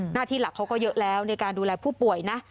หน้าที่หลักเขาก็เยอะแล้วในการดูแลผู้ป่วยนะ